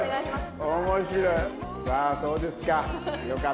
さあそうですか。